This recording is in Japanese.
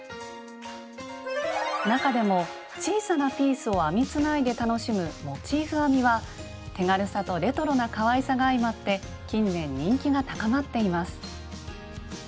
中でも小さなピースを編みつないで楽しむ「モチーフ編み」は手軽さとレトロなかわいさが相まって近年人気が高まっています。